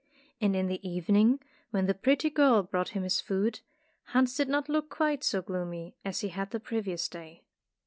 And in the evening when the pretty girl brought him his food, Hans did not look quite so gloomy as he had the previous day.